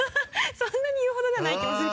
そんなに言うほどではない気もする。